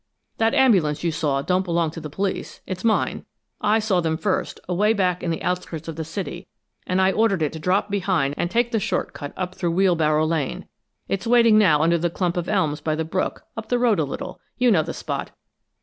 That ambulance you saw don't belong to the police; it's mine. I saw them first, away back in the outskirts of the city, and I ordered it to drop behind and take the short cut up through Wheelbarrow Lane. It's waiting now under the clump of elms by the brook, up the road a little you know the spot!